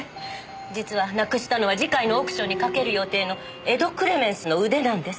実はなくしたのは次回のオークションにかける予定の『エド・クレメンスの腕』なんです。